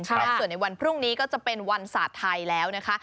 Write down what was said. ส่วนในวันพรุ่งนี้ก็จะเป็นวันศาสตร์ไทยแล้วนะคะ